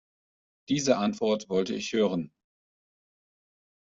Diese Antwort wollte ich hören.